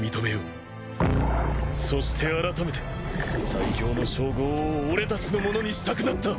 そしてあらためて最強の称号を俺たちのものにしたくなった。